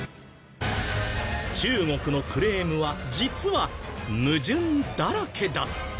中国のクレームは実は矛盾だらけだった。